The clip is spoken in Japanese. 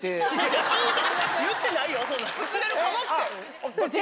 映れるかもって。